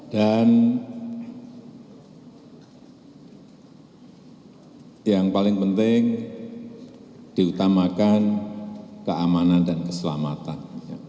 dan yang paling penting diutamakan keamanan dan keselamatan